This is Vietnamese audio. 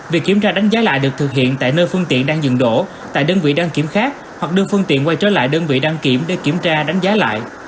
việc kiểm tra đánh giá lại được thực hiện tại nơi phương tiện đang dừng đổ tại đơn vị đăng kiểm khác hoặc đưa phương tiện quay trở lại đơn vị đăng kiểm để kiểm tra đánh giá lại